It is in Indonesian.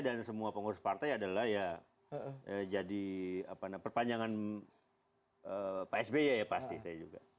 dan semua pengurus partai adalah ya jadi apa namanya perpanjangan pak sby ya pasti saya juga